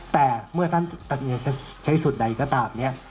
แต่เมื่อท่านจะใช้สูตรใดก็ตามเนี่ย